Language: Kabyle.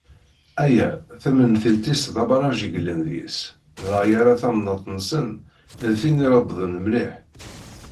Aya, tamentilt-is d abaraj i yellan deg-s, dɣa yerra tamnaḍt-nsen d tin ireḍben mliḥ.